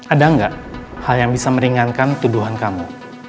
ada nggak hal yang bisa meringankan tuduhan kamu